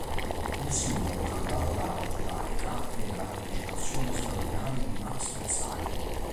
Il singolo, cantato da Rocco Tanica, vede la partecipazione straordinaria di Max Pezzali.